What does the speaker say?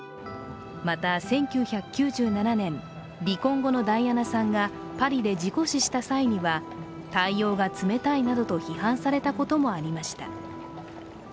また１９９７年、離婚後のダイアナさんがパリで事故死した際には対応が冷たいなどと批判されたこともありました。